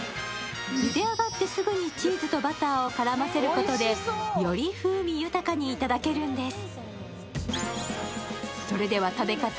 ゆで上がってすぐにチーズとバターを絡ませることでより風味豊かにいただけるんです。